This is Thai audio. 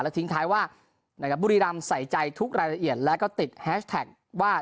ทิ้งท้ายว่านะครับบุรีรำใส่ใจทุกรายละเอียดแล้วก็ติดแฮชแท็กว่า